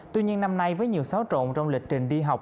tuy nhiên năm nay với nhiều xáo trộn trong lịch trình đi học